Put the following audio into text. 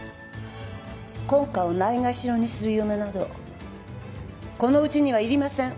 婚家をないがしろにする嫁などこのうちにはいりません。